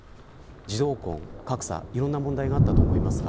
児童婚、格差などいろいろな問題があったと思います。